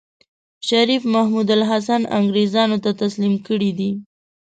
شريف محمودالحسن انګرېزانو ته تسليم کړی دی.